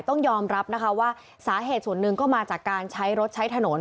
ต้องยอมรับนะคะว่าสาเหตุส่วนหนึ่งก็มาจากการใช้รถใช้ถนน